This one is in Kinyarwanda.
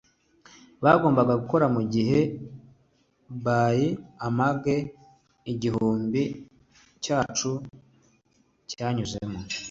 bagombaga gukora mu bihe by amage igihugu cyacu cyanyuzemo